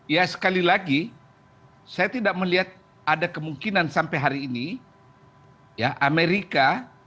ya sekali lagi saya tidak melihat ada kemungkinan sampai hari ini ya amerika